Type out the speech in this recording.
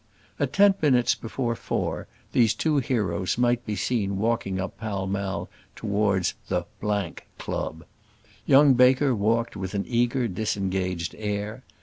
At ten minutes before four these two heroes might be seen walking up Pall Mall, towards the Club. Young Baker walked with an eager disengaged air.